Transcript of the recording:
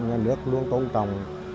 nhà nước luôn tôn trọng